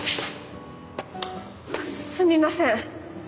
すみません。